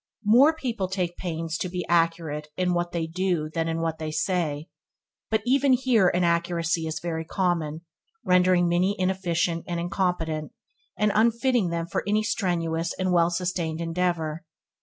More people take pains to be accurate in what they do than in what they say, but even here inaccuracy is very common, rendering many inefficient and incompetent, and unfitting them for any strenuous and well sustained endeavour.